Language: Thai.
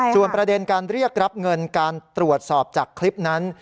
ส่วนประเด็นการเรียกรับเงินการตรวจสอบจากคลิปนั้น